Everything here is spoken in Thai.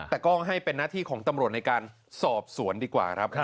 แต่ก็ให้เป็นหน้าที่ของตำรวจในการสอบสวนดีกว่าครับ